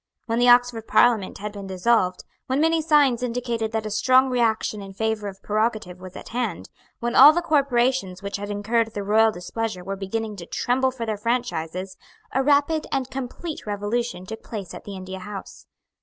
When the Oxford Parliament had been dissolved, when many signs indicated that a strong reaction in favour of prerogative was at hand, when all the corporations which had incurred the royal displeasure were beginning to tremble for their franchises, a rapid and complete revolution took place at the India House.